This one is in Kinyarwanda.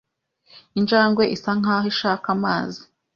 Injangwe isa nkaho ishaka amazi.